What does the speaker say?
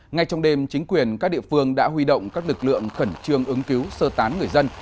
ngay trong đêm chính quyền các địa phương đã huy động các lực lượng khẩn trương ứng cứu sơ tán người dân